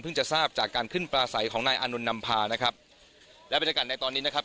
จะทราบจากการขึ้นปลาใสของนายอานนท์นำพานะครับและบรรยากาศในตอนนี้นะครับ